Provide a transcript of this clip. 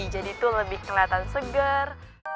jadi tuh lebih keliatan segar